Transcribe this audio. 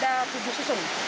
dua tujuh susun